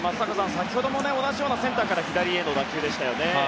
先ほども同じようなセンターから左への打球でしたよね。